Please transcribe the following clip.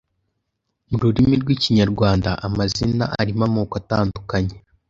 Mu rurimi rw’Ikinyarwanda amazina arimo amoko atandukanye